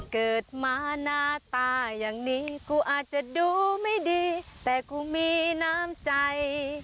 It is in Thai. เกิดมาหน้าตาอย่างนี้กูอาจจะดูไม่ดีแต่กูมีน้ำใจ